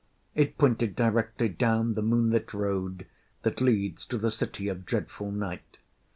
It pointed directly down the moonlit road that leads to the City of Dreadful Night.